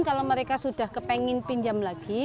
kalau mereka sudah kepengen pinjam lagi